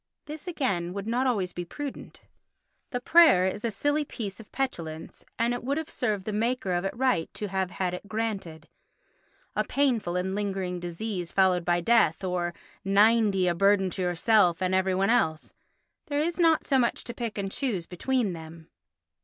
This again would not be always prudent. The prayer is a silly piece of petulance and it would have served the maker of it right to have had it granted. "A painful and lingering disease followed by death" or "Ninety, a burden to yourself and every one else"—there is not so much to pick and choose between them.